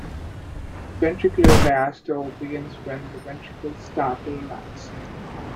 "Ventricular diastole," begins when the ventricles starts to relax.